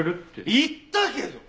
言ったけど！